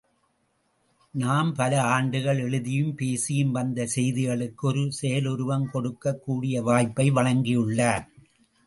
நாம் பல ஆண்டுகள் எழுதியும் பேசியும் வந்த செய்திகளுக்கு ஒரு செயலுருவம் கொடுக்கக் கூடிய வாய்ப்பை வழங்கியுள்ளார்.